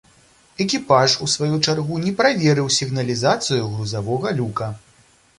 Экіпаж у сваю чаргу не праверыў сігналізацыю грузавога люка.